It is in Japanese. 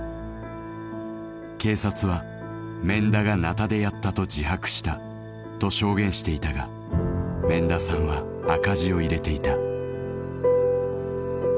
警察は「免田が鉈でやったと自白した」と証言していたが免田さんは赤字を入れていた。